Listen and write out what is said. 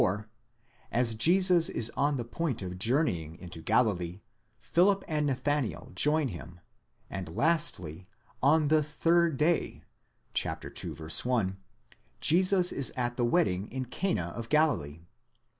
44), as Jesus is on the point of journeying into Galilee, Philip and Nathanael join him ; and lastly, om the third day, τῇ ἡμέρᾳ τῇ τρίτῃ (11. 1), Jesus is at the wedding in Cana of Galilee.